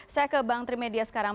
saya ke bang trimedia sekarang